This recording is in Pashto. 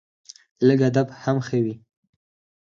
لږ ادب هم ښه وي